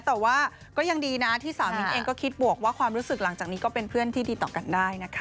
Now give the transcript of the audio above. แต่ว่าก็ยังดีนะที่สาวมิ้นเองก็คิดบวกว่าความรู้สึกหลังจากนี้ก็เป็นเพื่อนที่ดีต่อกันได้นะคะ